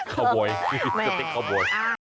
เค้าโบย